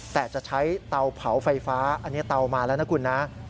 แต่จะใช้เตาเผาไฟฟ้าอันนี้เตามาแล้วนะคุณนะ